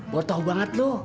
botoh banget lu